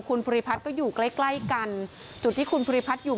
คุณภูริพัฒน์ก็อยู่ใกล้ใกล้กันจุดที่คุณภูริพัฒน์อยู่